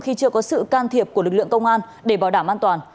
khi chưa có sự can thiệp của lực lượng công an để bảo đảm an toàn